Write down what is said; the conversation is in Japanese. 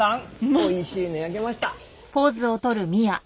おいしいの焼けました。